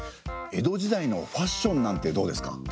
江戸時代のファッションなんてどうですか？